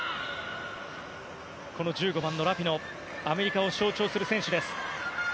１５番のラピノアメリカを象徴する選手です。